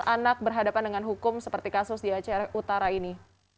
anak berhadapan dengan hukum seperti kasus di aceh utara ini